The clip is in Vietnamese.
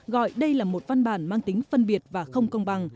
gọi đây là một văn bản mang tính phân biệt và không công bằng